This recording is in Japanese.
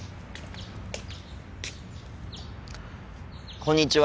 こんにちは。